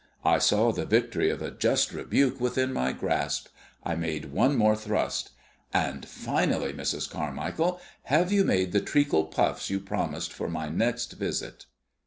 I saw the victory of a just rebuke within my grasp. I made one more thrust. "And, finally, Mrs. Carmichael, have you made the treacle puffs you promised for my next visit?"